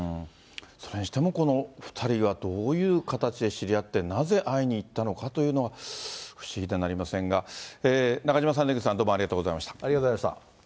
それにしても、この２人がどういう形で知り合って、なぜ会いに行ったのかというのは不思議でなりませんが、中島さん、出口さん、どうもありがとうございました。